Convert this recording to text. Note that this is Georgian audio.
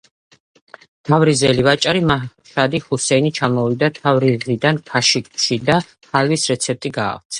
თავრიზელი ვაჭარი მაშადი ჰუსეინი ჩამოვიდა თავრიზიდან შაქიში და ჰალვის რეცეპტი გაავრცელა.